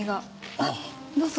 あっどうぞ。